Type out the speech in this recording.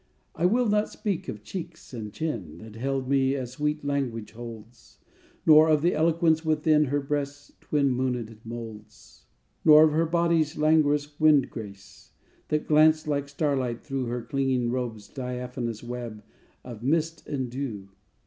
_ _I will not speak of cheeks and chin, That held me as sweet language holds; Nor of the eloquence within Her breasts' twin moonéd molds._ _Nor of her body's languorous Wind grace, that glanced like starlight through Her clinging robe's diaphanous Web of the mist and dew.